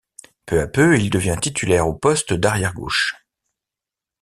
Peu à peu, il devient titulaire au poste d'arrière gauche.